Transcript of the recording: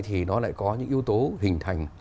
thì nó lại có những yếu tố hình thành